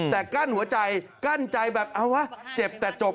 แต่กั้นหัวใจแบบเกิดจบ